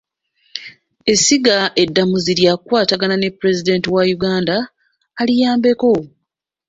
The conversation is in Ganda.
Essiga eddamuzi ly'akukwatagana ne Pulezidenti wa Uganda aliyambeko.